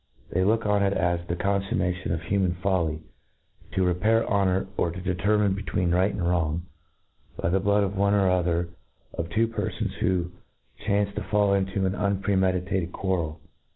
They look on it as the confummation of human folly, to repair honour, or to determine between right and wrong, by the blood of oneor other of two perfons Who chance to fall into an unpremeditated quarrel.